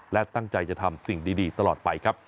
และตั้งใจจะทำสิ่งดีตลอดไปครับ